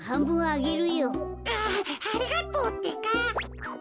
ありがとうってか。